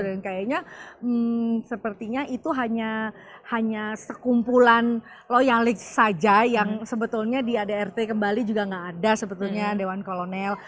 dan kayaknya sepertinya itu hanya sekumpulan loyalis saja yang sebetulnya di adrt kembali juga gak ada sebetulnya dewan kolonel